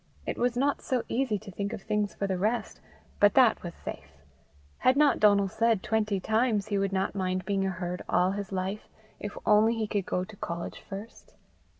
It was not so easy to think of things for the rest, but that was safe. Had not Donal said twenty times he would not mind being a herd all his life, if only he could go to college first?